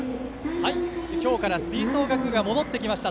今日から吹奏楽が戻ってきました。